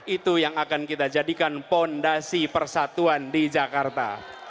itu yang akan kita jadikan fondasi persatuan di jakarta